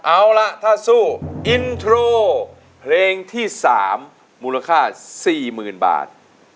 เอาล่ะถ้าสู้อินโทรเพลงที่๓มูลค่า๔๐๐๐บาท